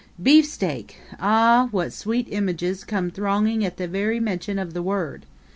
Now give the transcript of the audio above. Beefsteak! Ah, what sweet images come thronging at the very mention of the word!